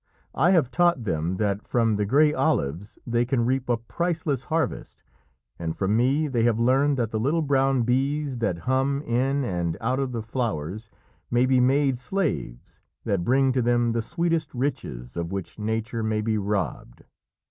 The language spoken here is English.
I have taught them that from the grey olives they can reap a priceless harvest, and from me they have learned that the little brown bees that hum in and out of the flowers may be made slaves that bring to them the sweetest riches of which Nature may be robbed."